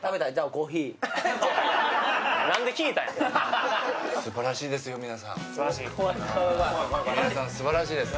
・すばらしい？